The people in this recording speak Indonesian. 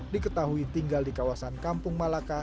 diketahui tinggal di kawasan kampung malaka